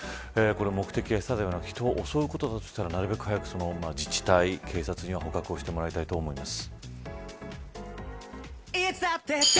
目的は、餌ではなく人を襲うことだとしたらなるべく早く自治体や警察に捕獲してもらいたいと思います。